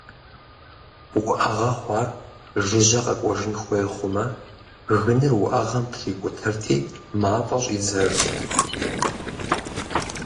Уӏэгъэ хъуар жыжьэ къэкӏуэжын хуей хъумэ, гыныр уӏэгъэм трикӏутэрти мафӏэ щӏидзэжт.